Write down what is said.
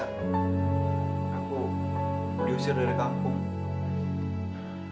aku diusir dari kampung